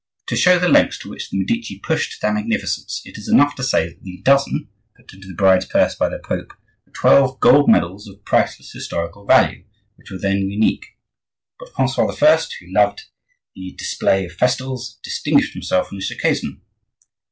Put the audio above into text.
To show the lengths to which the Medici pushed their magnificence, it is enough to say that the "dozen" put into the bride's purse by the Pope were twelve gold medals of priceless historical value, which were then unique. But Francois I., who loved the display of festivals, distinguished himself on this occasion.